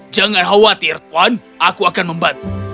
jangan khawatir tuan aku akan membantu